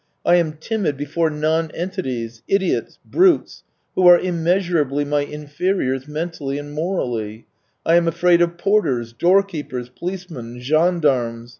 I am timid before nonentities, idiots, brutes, who are im measurably my inferiors mentally and morally; I am afraid of porters, doorkeepers, policemen, gendarmes.